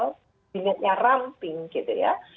kabinetnya ramping gitu ya